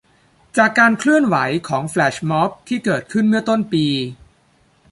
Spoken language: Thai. จากการเคลื่อนไหวของ แฟลชม็อบ ที่เกิดขึ้นเมื่อต้นปี